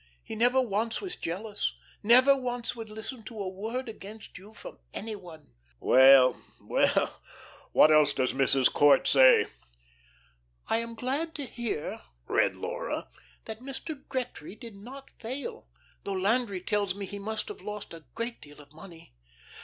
He never once was jealous, never once would listen to a word against you from any one." "Well well, what else does Mrs. Court say?" "'I am glad to hear,'" read Laura, "'that Mr. Gretry did not fail, though Landry tells me he must have lost a great deal of money.